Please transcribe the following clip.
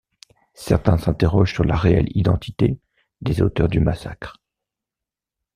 Certains s'interrogent sur la réelle identité des auteurs du massacre.